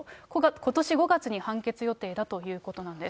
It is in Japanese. ことし５月に判決予定だということなんです。